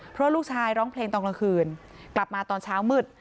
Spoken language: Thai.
เพราะลูกชายร้องเพลงตอนกลางคืนกลับมาตอนเช้ามืด